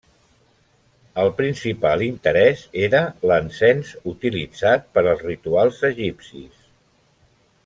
El principal interès era l'encens utilitzat per als rituals egipcis.